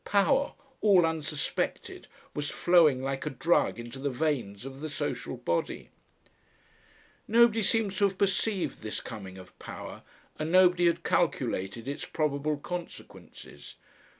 "Power," all unsuspected, was flowing like a drug into the veins of the social body. Nobody seems to have perceived this coming of power, and nobody had calculated its probable consequences.